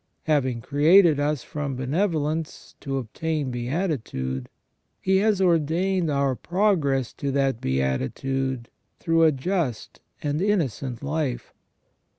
Having created us from benevolence to obtain beatitude. He has ordained our progress to that beatitude through a just and innocent life.